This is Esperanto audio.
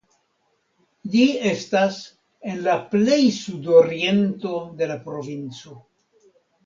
Ĝi estas en la plej sudoriento de la provinco.